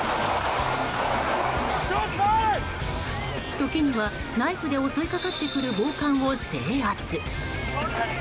時にはナイフで襲いかかってくる暴漢を制圧。